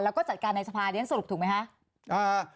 แล้วก็จัดการในสภาระรัฐธรรมนุนสรุปถูกไหมคะ